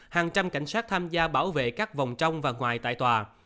hàng trăm cảnh sát tham gia bảo vệ các vòng trong và ngoài tại tòa